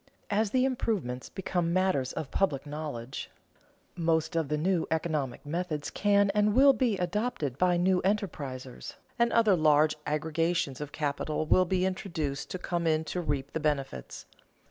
As the improvements become matters of public knowledge, most of the new economic methods can and will be adopted by new enterprisers, and other large aggregations of capital will be induced to come in to reap the benefits.